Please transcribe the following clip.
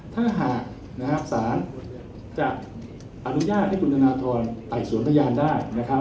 ถ้าหากสารจะอนุญาตให้คุณธนาธรณ์ไปสวนพญาได้